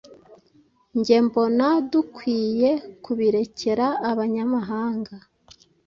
Njye mbona dukwiye kubirekera abanyamahanga